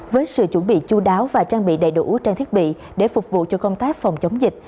với sự chuẩn bị chú đáo và trang bị đầy đủ trang thiết bị để phục vụ cho công tác phòng chống dịch